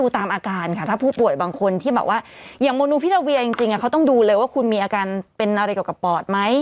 ตาเพื่อป่าวว่าอย่างมนุภีระเวียจริงจริงอะเขาต้องดูเลยว่าคุณมีอาการเป็นอะไรก่อกับปอดไหม